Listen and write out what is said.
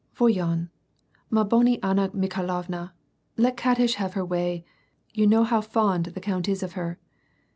Vof/ofis, ma bonne Anna Mikhailovna, let Katish have her way. You know how fond the count is of her."